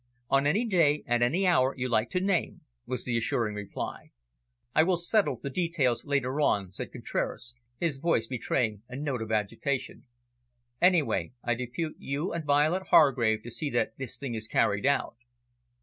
"On any day, at any hour you like to name," was the reassuring reply. "I will settle the details later on," said Contraras, his voice betraying a note of agitation. "Anyway, I depute you and Violet Hargrave to see that this thing is carried out."